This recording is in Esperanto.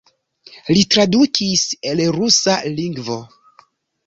Li tradukis el rusa lingvo.